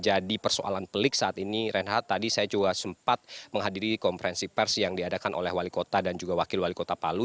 jadi persoalan pelik saat ini renha tadi saya juga sempat menghadiri konferensi pers yang diadakan oleh wali kota dan juga wakil wali kota palu